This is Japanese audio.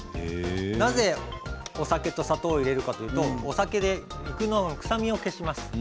なぜお酒とお砂糖を入れるかというとお酒で肉の臭みを消します。